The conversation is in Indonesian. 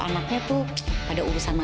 anaknya tuh pada urusan masalah